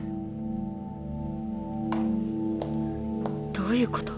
どういうこと？